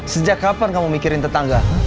sejak kapan kamu mikirin tetangga